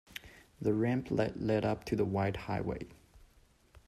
The ramp led up to the wide highway.